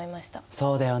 そうだよね。